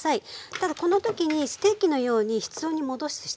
ただこの時にステーキのように室温に戻す必要はないです。